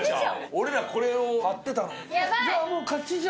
俺らこれを買ってた。